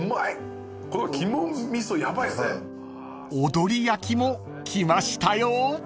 ［踊り焼きも来ましたよ］